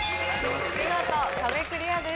見事壁クリアです。